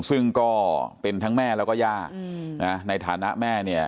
ซึ่งก็เป็นทั้งแม่แล้วก็ย่าในฐานะแม่เนี่ย